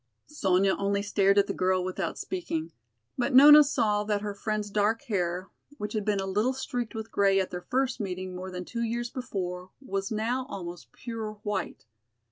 Sonya only stared at the girl without speaking. But Nona saw that her friend's dark hair, which had been a little streaked with gray at their first meeting more than two years before, was now almost pure white.